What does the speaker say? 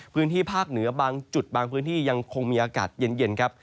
พื้นที่ภาคเหนือบางจุดบางพื้นที่ยังคงมีอากาศเย็นครับ